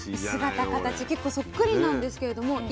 姿形結構そっくりなんですけれども。